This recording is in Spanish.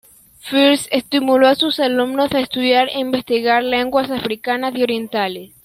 Firth estimuló a sus alumnos a estudiar e investigar lenguas africanas y orientales.